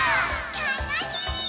たのしい。